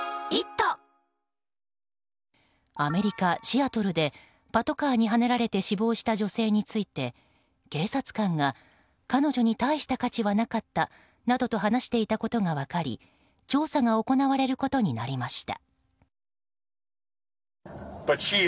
アメリカ・シアトルでパトカーにはねられて死亡した女性について、警察官が彼女に大した価値はなかったなどと話していたことが分かり調査が行われることになりました。